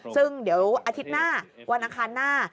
ซึ่งเดี๋ยวอาทิตย์หน้าวันอังคารหน้า